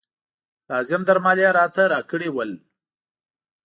لازم درمل یې راته راکړي ول.